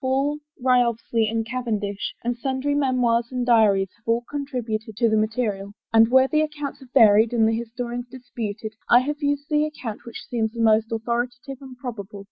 Hall and Wriothesley and Cavendish, and sundry memoirs and diaries have all con tributed to the material, and where the accounts have varied and the historians disputed, I have used the ac count which seemed the most authoritative and probable.